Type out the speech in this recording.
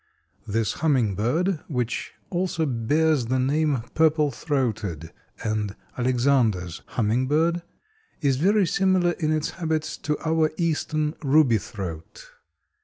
This Hummingbird, which also bears the name Purple throated and Alexandre's Hummingbird, is very similar in its habits to our eastern ruby throat.